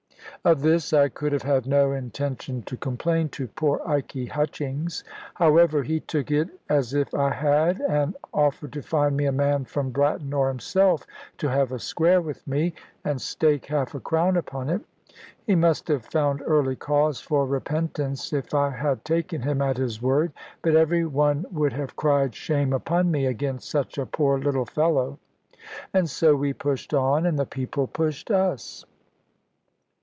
Of this I could have had no intention to complain to poor Ikey Hutchings. However, he took it as if I had, and offered to find me a man from Bratton, or himself, to have a square with me, and stake half a crown upon it. He must have found early cause for repentance, if I had taken him at his word; but every one would have cried shame upon me against such a poor little fellow. And so we pushed on, and the people pushed us.